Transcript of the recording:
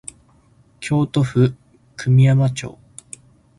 京都府久御山町